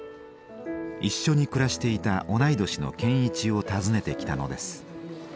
一緒に暮らしていた同い年の健一を訪ねてきたのです。